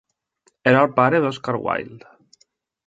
Era el pare d'Oscar Wilde.